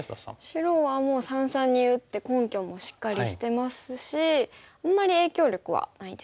白はもう三々に打って根拠もしっかりしてますしあんまり影響力はないですかね。